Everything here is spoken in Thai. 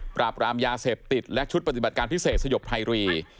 ปราบรามยาเสพติดและชุดปฏิบัติการพิเศษสยบไพรี